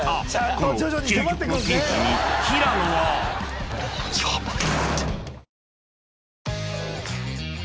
この究極のピンチに平野はヤバい！